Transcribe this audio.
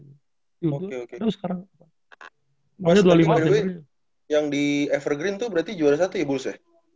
mas tapi by the way yang di evergreen tuh berarti jualan satu ya buls ya